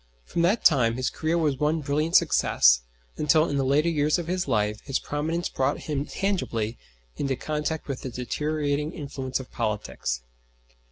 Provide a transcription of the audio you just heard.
From that time his career was one brilliant success, until in the later years of his life his prominence brought him tangibly into contact with the deteriorating influence of politics.